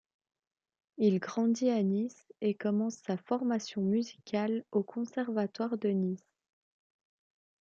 Il grandit à Nice et commence sa formation musicale au Conservatoire de Nice.